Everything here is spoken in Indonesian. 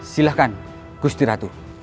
silahkan gusti ratu